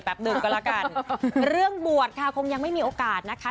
แป๊บดึกก็แล้วกันเรื่องบวชคงยังไม่มีโอกาสนะคะ